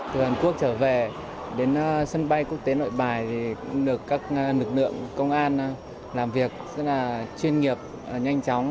từ hàn quốc trở về đến sân bay quốc tế nội bài thì cũng được các lực lượng công an làm việc rất là chuyên nghiệp nhanh chóng